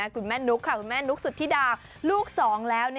คุณแม่นุ๊กค่ะคุณแม่นุ๊กสุธิดาลูกสองแล้ว